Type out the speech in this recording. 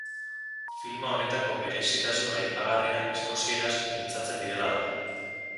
Filma honetako berezitasun aipagarria eskozieraz mintzatzen direla da.